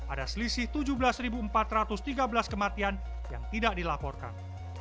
ada selisih tujuh belas empat ratus tiga belas kematian yang tidak dilaporkan